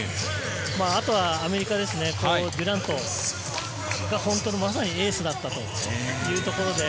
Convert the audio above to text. あとはアメリカ、デュラント、本当のまさにエースだったというところです。